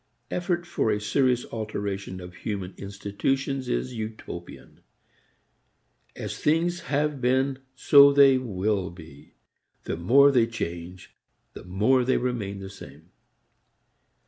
Effort for a serious alteration of human institutions is utopian. As things have been so they will be. The more they change the more they remain the same.